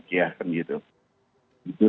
itu sejak akhir tahun